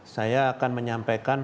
saya akan menyampaikan